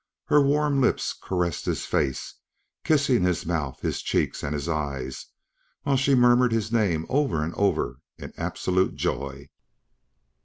Her warm lips caressed his face, kissing his mouth, his cheeks and his eyes, while she murmured his name over and over in absolute joy.